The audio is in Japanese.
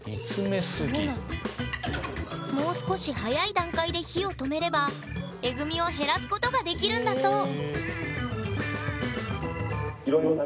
もう少し早い段階で火を止めればえぐみを減らすことができるんだそう。